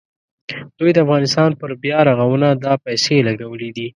دوی د افغانستان پر بیارغونه دا پیسې لګولې دي.